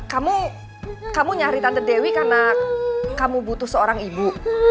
hai kamu posting nya retak lebih karena kamu butuh seorang ibu